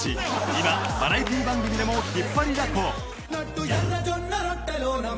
今バラエティー番組でも引っ張りだこ